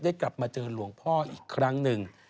กลับมาเจอหลวงพ่ออีกครั้งหนึ่ง